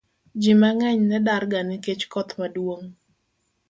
Ji mang'eny ne darga nikech koth maduong'